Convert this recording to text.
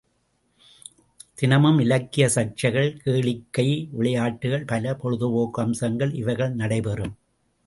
தினமும் இலக்கிய சர்ச்சைகள், கேளிக்கை, விளையாட்டுகள், பல பொழுதுபோக்கு அம்சங்கள் இவைகள் நடைபெறும்.